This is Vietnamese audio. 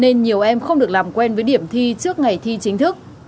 nên nhiều em không được làm quen với điểm thi trước ngày thi chính thức